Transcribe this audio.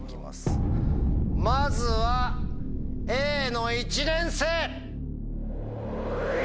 まずはＡの１年生！